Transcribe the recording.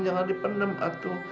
jangan dipenem atu